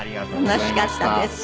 楽しかったです。